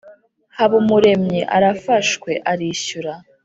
habumuremyi arafashwe arishyura